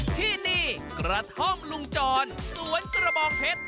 ที่นี่กระท่อมลุงจรสวนกระบองเพชร